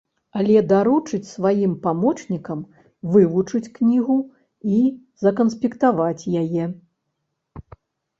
Але даручыць сваім памочнікам вывучыць кнігу і заканспектаваць яе.